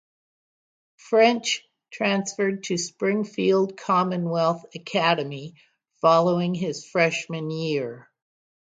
French transferred to Springfield Commonwealth Academy following his freshman year.